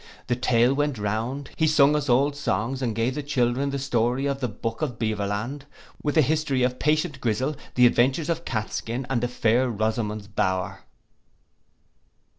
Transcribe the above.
The tale went round; he sung us old songs, and gave the children the story of the Buck of Beverland, with the history of Patient Grissel, the adventures of Catskin, and then Fair Rosamond's bower.